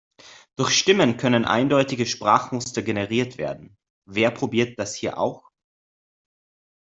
Durch Stimmen können eineindeutige Sprachmuster generiert werden - wer probiert das hier auch?